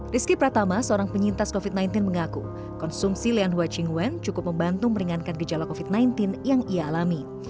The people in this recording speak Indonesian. rizky pratama seorang penyintas covid sembilan belas mengaku konsumsi lian hua ching wen cukup membantu meringankan gejala covid sembilan belas yang ia alami